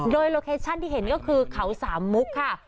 โดยโลเคชั่นที่เห็นก็คือเขาสามมุกค่ะ